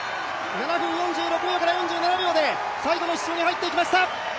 ７分４６秒から４７秒で最後の１周に入ってきました。